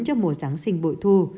cho mùa giáng sinh bội thu